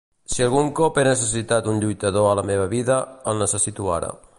Si algun cop he necessitat un lluitador a la meva vida, el necessito ara.